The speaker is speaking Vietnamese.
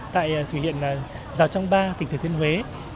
tại thủy liện giáo trang ba tỉnh thể thiên huế